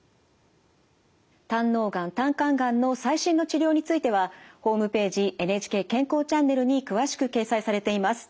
胆のうがん胆管がんの最新の治療についてはホームページ「ＮＨＫ健康チャンネル」に詳しく掲載されています。